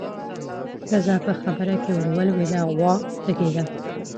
ښځه په خبره کې ورولوېده: غوا تږې ده.